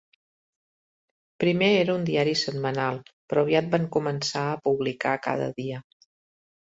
Primer era un diari setmanal, però aviat van començar a publicar cada dia.